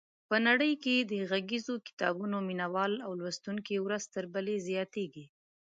په نړۍ کې د غږیزو کتابونو مینوال او لوستونکي ورځ تر بلې زیاتېږي.